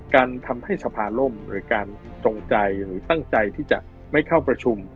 การทำให้สภาล่มหรือการจงใจหรือตั้งใจที่จะไม่เข้าประชุม